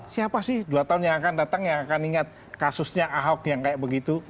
siapa sih dua tahun yang akan datang yang akan ingat kasusnya ahok yang kayak begitu